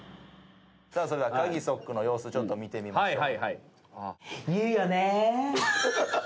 それではカギソックの様子見てみましょう。